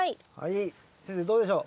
先生どうでしょう？